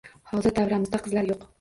Hozir davramizda qizlarimiz yo`q